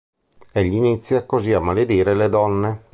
Egli inizia così a maledire le donne.